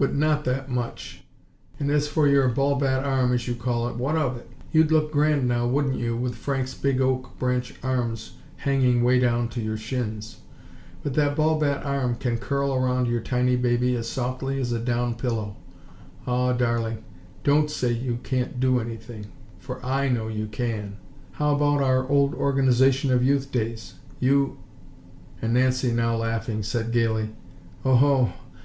but not that much. And as for your 'ball bat' arm, as you call it, what of it? You'd look grand, now wouldn't you, with Frank's big oak branch arms hanging way down to your shins. But that ball bat arm can curl around your tiny baby as softly as a down pillow. Aw, darling! Don't say you can't do anything; for I know you can. How about our old Organization of Youth days? You, " And Nancy, now laughing, said, gaily: "Oho!